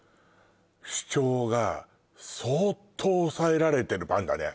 主張が相当抑えられてるパンだね